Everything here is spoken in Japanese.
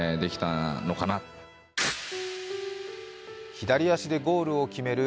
左足でゴールを決める